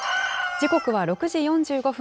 時刻は６時４５分。